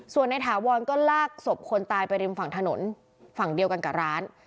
ส่วนในถาวรก็ลากศพคนตายไปริมฝั่งถนนฝั่งเดียวกันกับร้าน